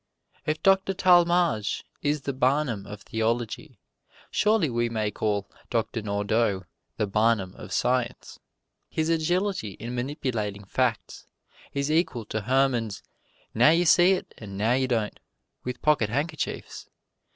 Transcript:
If Doctor Talmage is the Barnum of Theology, surely we may call Doctor Nordau the Barnum of Science. His agility in manipulating facts is equal to Hermann's now you see it and now you don't, with pocket handkerchiefs.